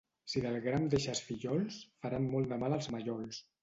Si del gram deixes fillols faran molt mal als mallols.